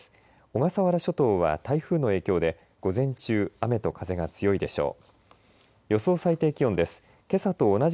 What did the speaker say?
小笠原諸島は台風の影響で午前中雨と風が強いでしょう。